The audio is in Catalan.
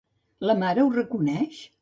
La mare ho reconeix?